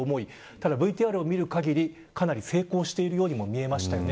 ただＶＴＲを見てる限り成功しているようにも見えましたね。